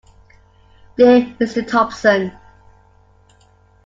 Dear Mr Thompson.